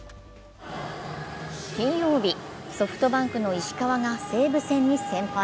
金曜日、ソフトバンクの石川が西武戦に先発。